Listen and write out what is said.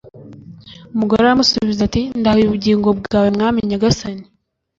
Umugore aramusubiza ati “Ndahiye ubugingo bwawe Mwami nyagasani